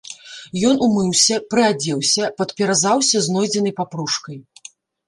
Ён умыўся, прыадзеўся, падперазаўся знойдзенай папружкай.